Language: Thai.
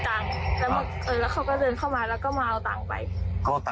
หนูก็เลยทันรังกลับมา